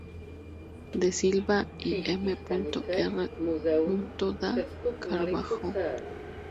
Da Silva y M. R. Da Carvalho.